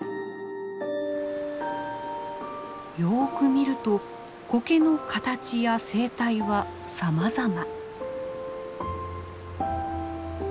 よく見るとコケの形や生態はさまざま。